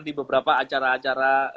di beberapa acara acara